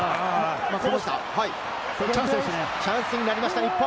チャンスになりました、日本。